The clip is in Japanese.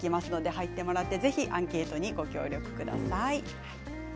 入ってもらってぜひアンケートにご協力ください。